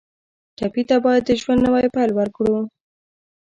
ټپي ته باید د ژوند نوی پیل ورکړو.